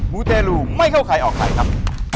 มูเตรลูไม่เข้าใครออกใครครับ